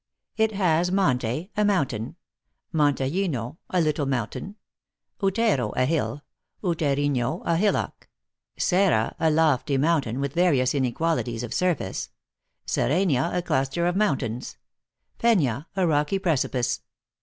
It has Monte^ a mountain ; Montezhino, a little mountain ; Outeiro, a hill ; Outeirinho, a hillock ; Scrra, a lofty mountain, with various inequalities of surface ; Serrania, a cluster of mountains ; Penha, a rocky precipice.